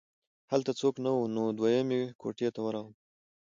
هلته څوک نه وو نو دویمې کوټې ته ورغلم